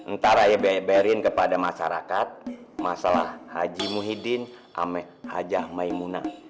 ntar ayo berin kepada masyarakat masalah haji muhyiddin amek hajah maimunah